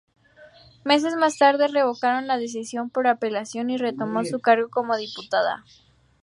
Meses más tarde, revocaron la decisión, por apelación, y retomó su cargo como diputada.